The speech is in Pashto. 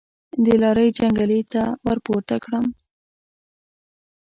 د لارۍ جنګلې ته ورپورته کړم.